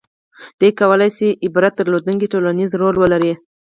• دې کولای شي عبرت درلودونکی ټولنیز رول ولري.